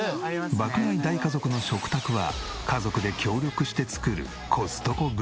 爆買い大家族の食卓は家族で協力して作るコストコグルメ。